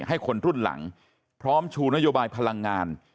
ให้คนรุ่นหลัง